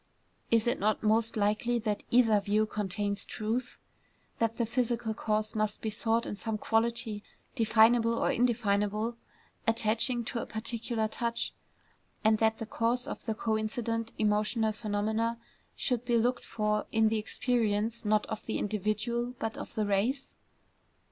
Is it not most likely that either view contains truth; that the physical cause must be sought in some quality, definable or indefinable, attaching to a particular touch; and that the cause of the coincident emotional phenomena should be looked for in the experience, not of the individual, but of the race?